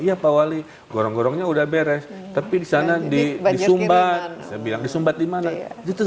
iya pak wali gorong gorongnya udah beres tapi di sana di disumbat saya bilang disumbat dimana justru